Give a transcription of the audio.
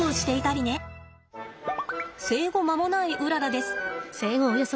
生後間もないうららです。